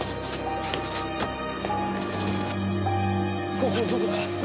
ここどこだ？